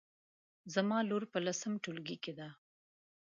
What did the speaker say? زما لور په لسم ټولګي کې ده